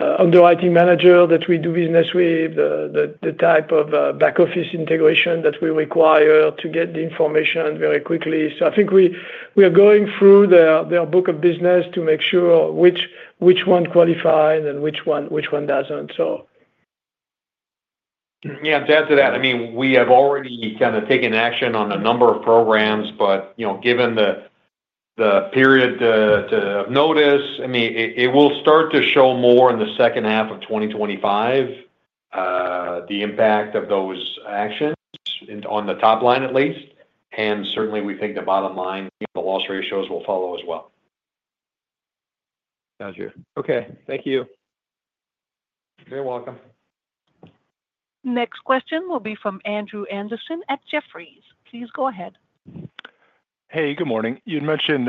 underwriting manager that we do business with, the type of back office integration that we require to get the information very quickly. So I think we are going through their book of business to make sure which one qualifies and which one doesn't, so. Yeah. To add to that, I mean, we have already kind of taken action on a number of programs, but given the period of notice, I mean, it will start to show more in the second half of 2025, the impact of those actions on the top line at least, and certainly, we think the bottom line, the loss ratios will follow as well. Got you. Okay. Thank you. You're welcome. Next question will be from Andrew Andersen at Jefferies. Please go ahead. Hey, good morning. You'd mentioned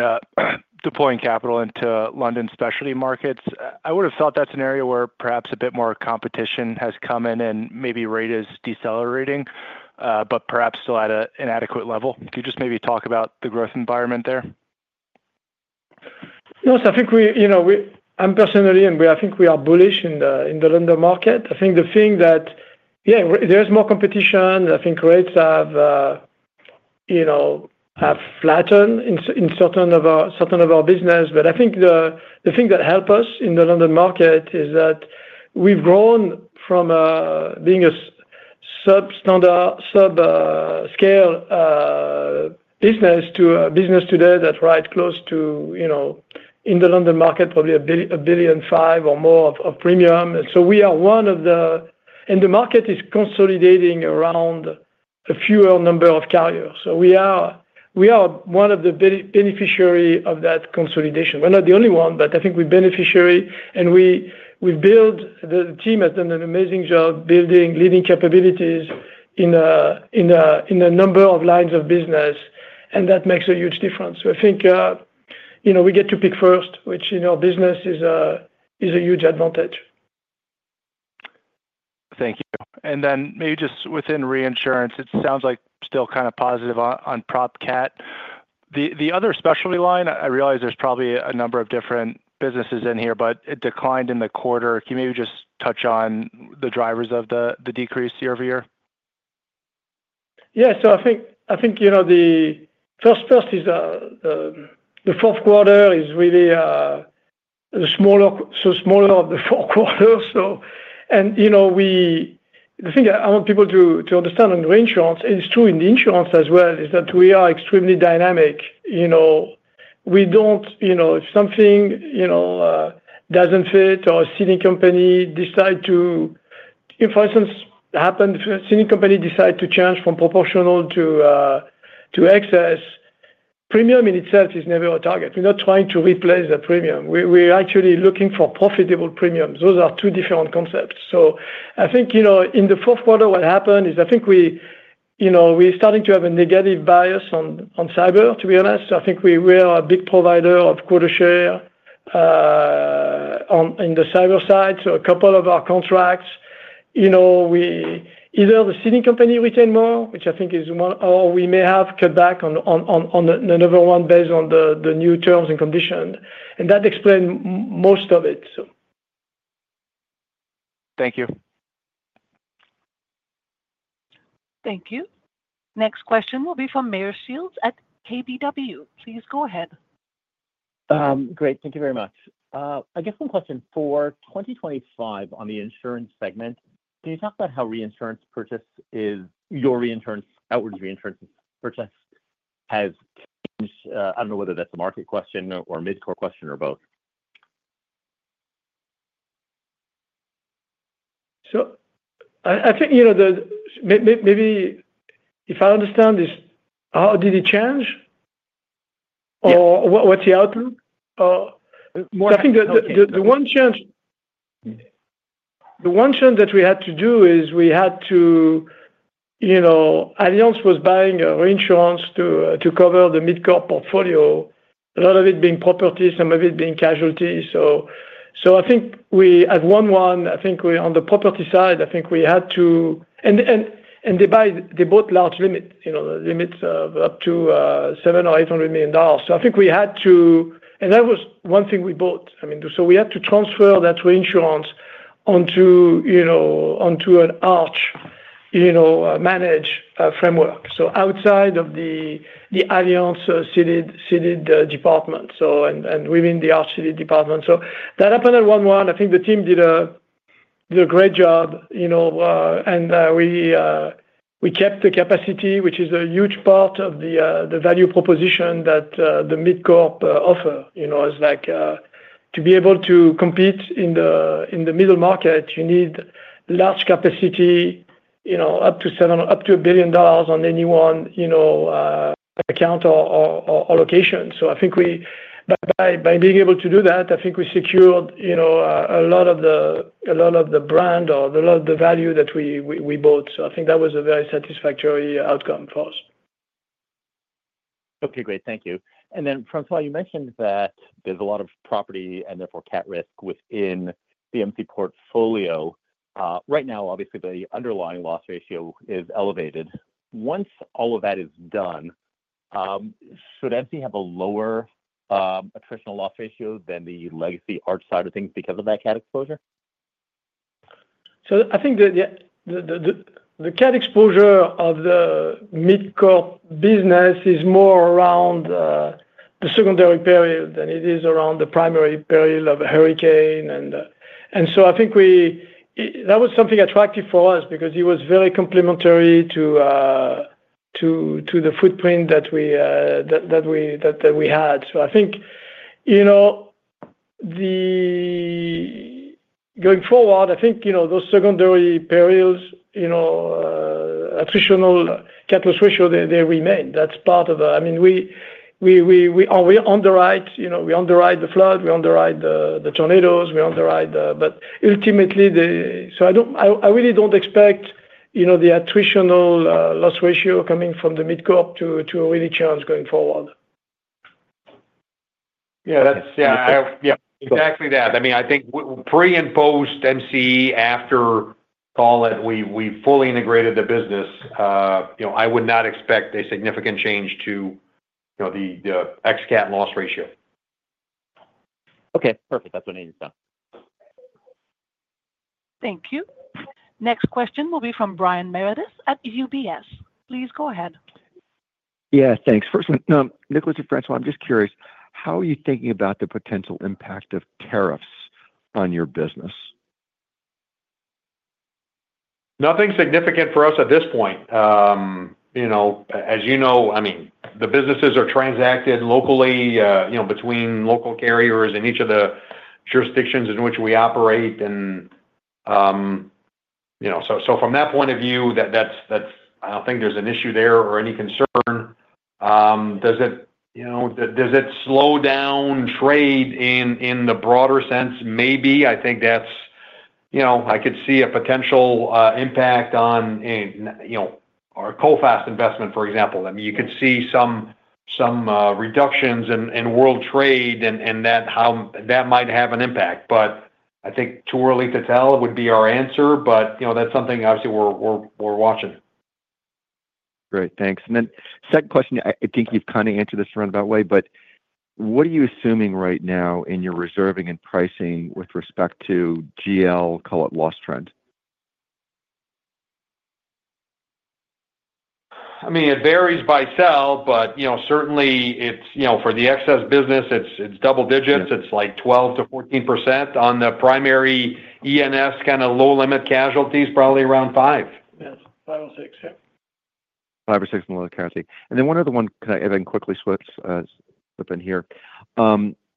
deploying capital into London specialty markets. I would have thought that scenario where perhaps a bit more competition has come in and maybe rate is decelerating, but perhaps still at an adequate level. Could you just maybe talk about the growth environment there? Yes. I think I'm personally, and I think we are bullish in the London market. I think the thing that, yeah, there's more competition. I think rates have flattened in certain of our business. But I think the thing that helped us in the London market is that we've grown from being a subscale business to a business today that writes close to, in the London market, probably $1.5 billion or more of premium. And so we are one of the, and the market is consolidating around a fewer number of carriers. So we are one of the beneficiaries of that consolidation. We're not the only one, but I think we're beneficiaries. And we've built, the team has done an amazing job building leading capabilities in a number of lines of business, and that makes a huge difference. So I think we get to pick first, which in our business is a huge advantage. Thank you. And then maybe just within reinsurance, it sounds like still kind of positive on prop cat. The other specialty line, I realize there's probably a number of different businesses in here, but it declined in the quarter. Can you maybe just touch on the drivers of the decrease year over year? Yeah. So I think the first is the fourth quarter is really the smaller of the four quarters. The thing I want people to understand on reinsurance, it's true in the insurance as well, is that we are extremely dynamic. We don't, if something doesn't fit or a ceding company decides to, for instance, a ceding company decided to change from proportional to excess, premium in itself is never a target. We're not trying to replace the premium. We're actually looking for profitable premiums. Those are two different concepts. So I think in the fourth quarter, what happened is I think we're starting to have a negative bias on cyber, to be honest. I think we were a big provider of quota share on the cyber side. So a couple of our contracts, either the ceding company retained more, which I think is one, or we may have cut back on another one based on the new terms and conditions. And that explains most of it, so. Thank you. Thank you. Next question will be from Meyer Shields at KBW. Please go ahead. Great. Thank you very much. I guess one question. For 2025 on the insurance segment, can you talk about how reinsurance purchase is, your reinsurance, outwards reinsurance purchase has changed? I don't know whether that's a market question or a MidCorp question or both. So I think maybe if I understand this, how did it change or what's the outlook? I think the one change that we had to do is we had to. Allianz was buying reinsurance to cover the MidCorp portfolio, a lot of it being properties, some of it being casualty. So I think, I think on the property side, I think we had to, and they bought large limits, limits of up to $700 million or $800 million. So I think we had to, and that was one thing we bought. I mean, so we had to transfer that reinsurance onto an Arch-managed framework, so outside of the Allianz ceded department and within the Arch ceded department. So that happened at January 1. I think the team did a great job. And we kept the capacity, which is a huge part of the value proposition that the MidCorp offer. It's like, to be able to compete in the middle market, you need large capacity, up to $700, up to a billion on any one account or location. So I think by being able to do that, I think we secured a lot of the brand or a lot of the value that we bought. So I think that was a very satisfactory outcome for us. Okay. Great. Thank you. And then François, you mentioned that there's a lot of property and therefore cat risk within the MC portfolio. Right now, obviously, the underlying loss ratio is elevated. Once all of that is done, should MC have a lower attritional loss ratio than the legacy Arch side of things because of that cat exposure? So I think the cat exposure of the MidCorp business is more around the secondary peril than it is around the primary peril of a hurricane. And so I think that was something attractive for us because it was very complementary to the footprint that we had. So I think going forward, I think those secondary perils, attritional cat risk ratio, they remain. That's part of the, I mean, we underwrite the flood, we underwrite the tornadoes, we underwrite the, but ultimately, so I really don't expect the attritional loss ratio coming from the MidCorp to really change going forward. Yeah. Yeah. Exactly that. I mean, I think pre-closing MI after we fully integrate the business, I would not expect a significant change to the ex-cat loss ratio. Okay. Perfect. That's what I needed to know. Thank you. Next question will be from Brian Meredith at UBS. Please go ahead. Yeah. Thanks. First, Nicolas and François, I'm just curious, how are you thinking about the potential impact of tariffs on your business? Nothing significant for us at this point. As you know, I mean, the businesses are transacted locally between local carriers in each of the jurisdictions in which we operate. And so from that point of view, I don't think there's an issue there or any concern. Does it slow down trade in the broader sense? Maybe. I think I could see a potential impact on our Coface investment, for example. I mean, you could see some reductions in world trade and that might have an impact. But I think too early to tell would be our answer, but that's something obviously we're watching. Great. Thanks. And then, second question, I think you've kind of answered this around that way, but what are you assuming right now in your reserving and pricing with respect to GL, call it, loss trend? I mean, it varies by cell, but certainly for the excess business, it's double digits. It's like 12%-14% on the primary E&S kind of low limit casualties, probably around 5%. Yes. Five or six. Yeah. Five or six in the low-limit casualty. And then one other one, and then quickly switch up in here.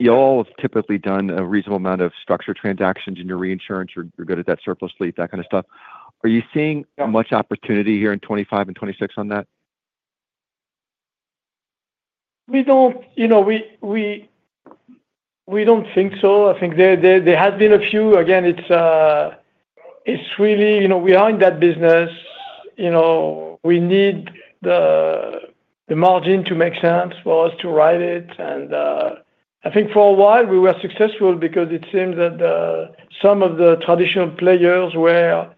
You all have typically done a reasonable amount of structured transactions in your reinsurance. You're good at that surplus share, that kind of stuff. Are you seeing much opportunity here in 2025 and 2026 on that? We don't think so. I think there has been a few. Again, it's really we are in that business. We need the margin to make sense for us to write it. And I think for a while, we were successful because it seemed that some of the traditional players were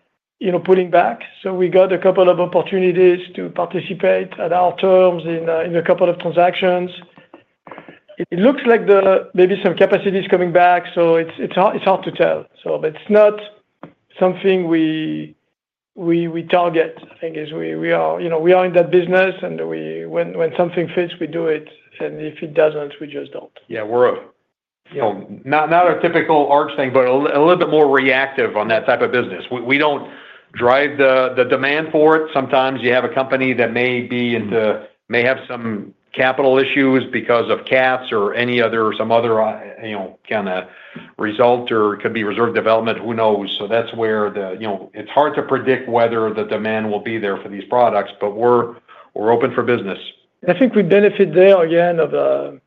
pulling back. So we got a couple of opportunities to participate at our terms in a couple of transactions. It looks like maybe some capacity is coming back, so it's hard to tell. So it's not something we target. I think we are in that business, and when something fits, we do it. And if it doesn't, we just don't. Yeah. We're not a typical Arch thing, but a little bit more reactive on that type of business. We don't drive the demand for it. Sometimes you have a company that may have some capital issues because of caps or some other kind of result or could be reserve development, who knows? So that's where it's hard to predict whether the demand will be there for these products, but we're open for business. I think we benefit there, again, from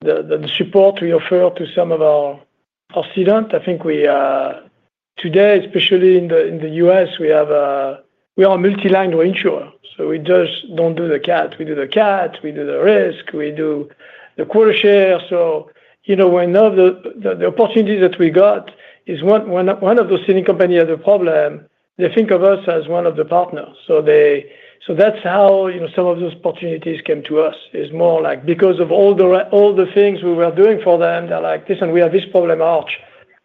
the support we offer to some of our cedents. I think today, especially in the US, we are a multi-line reinsurer. So we just don't do the cat. We do the cat. We do the risk. We do the quota share. So when the opportunity that we got is one of those ceding companies has a problem, they think of us as one of the partners. So that's how some of those opportunities came to us. It's more like because of all the things we were doing for them, they're like, "Listen, we have this problem, Arch.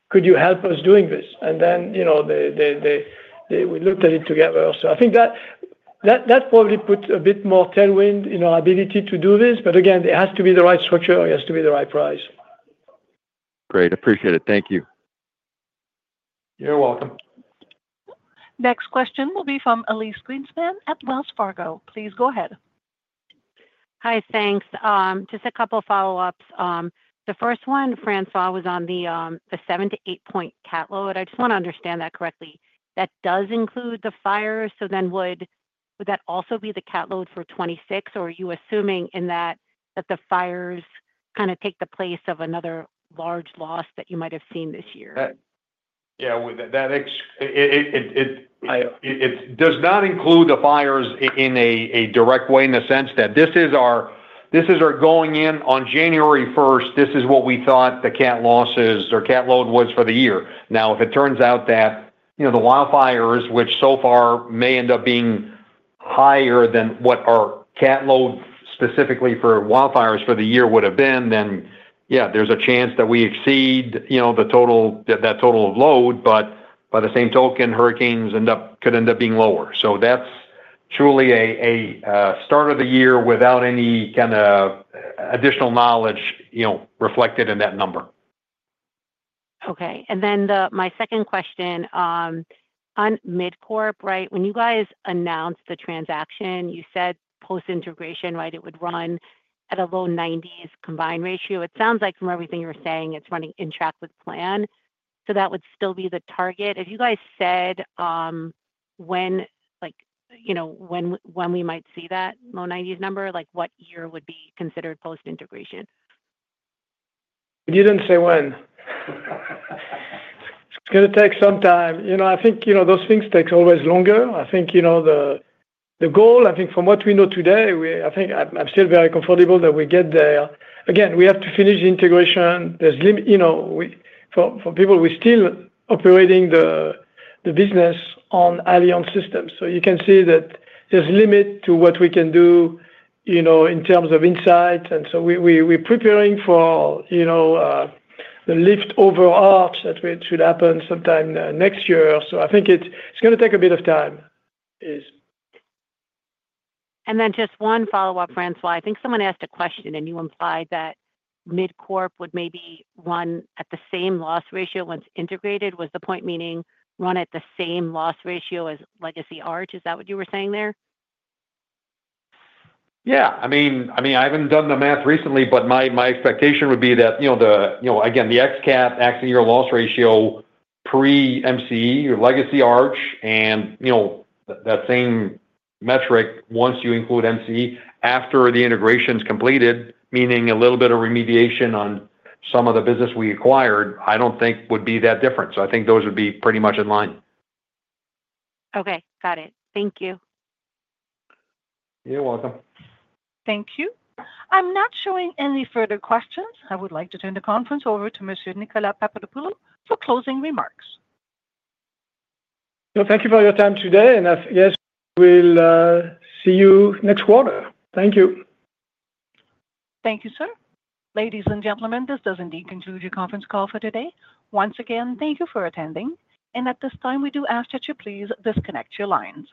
Could you help us doing this?" And then we looked at it together. So I think that probably put a bit more tailwind in our ability to do this. But again, it has to be the right structure. It has to be the right price. Great. Appreciate it. Thank you. You're welcome. Next question will be from Elyse Greenspan at Wells Fargo. Please go ahead. Hi. Thanks. Just a couple of follow-ups. The first one, François was on the seven to eight point cat load. I just want to understand that correctly. That does include the fires. So then would that also be the cat load for 2026, or are you assuming in that that the fires kind of take the place of another large loss that you might have seen this year? Yeah. It does not include the fires in a direct way in the sense that this is our going in on January 1st. This is what we thought the cat losses or cat load was for the year. Now, if it turns out that the wildfires, which so far may end up being higher than what our cat load specifically for wildfires for the year would have been, then yeah, there's a chance that we exceed that total load. But by the same token, hurricanes could end up being lower. So that's truly a start of the year without any kind of additional knowledge reflected in that number. Okay. And then my second question, on MidCorp, right, when you guys announced the transaction, you said post-integration, right, it would run at a low 90s combined ratio. It sounds like from everything you're saying, it's running on track with plan. So that would still be the target. If you guys said when we might see that low 90s number, what year would be considered post-integration? You didn't say when. It's going to take some time. I think those things take always longer. I think the goal, I think from what we know today, I think I'm still very comfortable that we get there. Again, we have to finish the integration. There's limits for people. We're still operating the business on Allianz systems. So you can see that there's a limit to what we can do in terms of insights. And so we're preparing for the lift over Arch that should happen sometime next year. So I think it's going to take a bit of time. And then just one follow-up, François. I think someone asked a question, and you implied that MidCorp would maybe run at the same loss ratio once integrated. Was the point meaning run at the same loss ratio as legacy Arch? Is that what you were saying there? Yeah. I mean, I haven't done the math recently, but my expectation would be that, again, the ex-cat, ex-year loss ratio pre-MCE or legacy Arch, and that same metric once you include MCE after the integration's completed, meaning a little bit of remediation on some of the business we acquired, I don't think would be that different. So I think those would be pretty much in line. Okay. Got it. Thank you. You're welcome. Thank you. I'm not showing any further questions. I would like to turn the conference over to Mr. Nicolas Papadopoulo for closing remarks. Thank you for your time today, and yes, we'll see you next quarter. Thank you. Thank you, sir. Ladies and gentlemen, this does indeed conclude your conference call for today. Once again, thank you for attending. And at this time, we do ask that you please disconnect your lines.